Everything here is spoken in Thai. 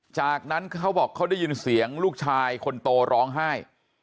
จากนั้นเขาบอกเขาได้ยินเสียงลูกชายคนโตร้องไห้